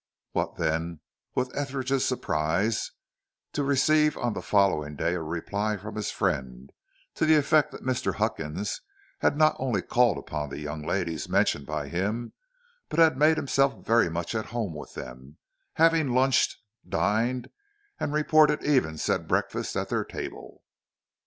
What, then, was Etheridge's surprise to receive on the following day a reply from his friend, to the effect that Mr. Huckins had not only called upon the young ladies mentioned by him, but had made himself very much at home with them, having lunched, dined, and report even said breakfasted at their table.